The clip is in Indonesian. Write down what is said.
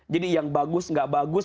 jadi yang bagus gak bagus